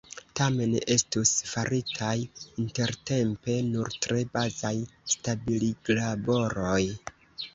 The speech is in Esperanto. Tamen estus faritaj intertempe nur tre bazaj stabiliglaboroj.